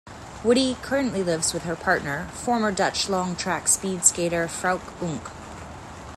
Witty currently lives with her partner, former Dutch long track speed skater Frouke Oonk.